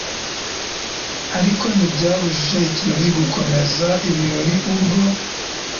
Ariko ntibyabujije ikirori gukomeza ibirori ubwo